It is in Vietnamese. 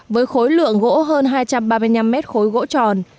với khối lượng gỗ hơn hai trăm ba mươi năm mét khối gỗ tròn